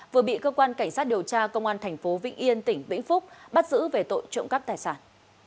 vừa bị cơ quan cảnh sát điều tra công an thành phố vĩnh yên tỉnh vĩnh phúc bắt giữ về tội trộm cắp tài sản